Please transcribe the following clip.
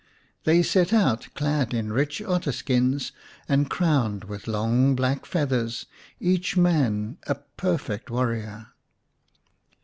They set out, clad in rich otter skins and crowned with long black feathers, each man a perfect warrior.